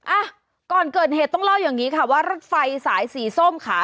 อ่ะก่อนเกิดเหตุต้องเล่าอย่างนี้ค่ะว่ารถไฟสายสีส้มค่ะ